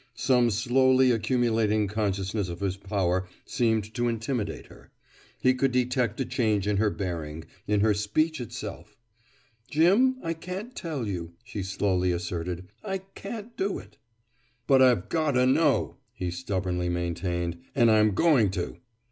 Some slowly accumulating consciousness of his power seemed to intimidate her. He could detect a change in her bearing, in her speech itself. "Jim, I can't tell you," she slowly asserted. "I can't do it!" "But I've got 'o know," he stubbornly maintained. "And I'm going to."